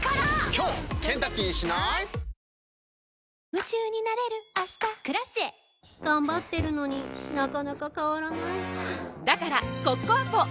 夢中になれる明日「Ｋｒａｃｉｅ」頑張ってるのになかなか変わらないはぁだからコッコアポ！